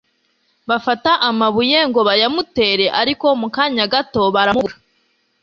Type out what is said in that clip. Bafata amabuye ngo bayamutere, ariko mu kanya gato baramubura.